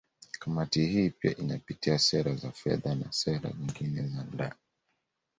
Kamati hii pia inapitia sera za fedha na sera nyingine za ndani